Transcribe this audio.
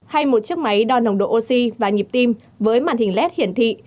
hay một chiếc máy đo nồng độ oxy và nhịp tim với màn hình led hiển thị